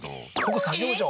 ここ作業所？